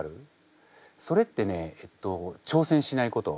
それってねえっと挑戦しないこと。